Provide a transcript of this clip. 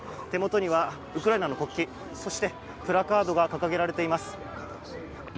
手元にはウクライナの国旗そして、プラカードが掲げられています。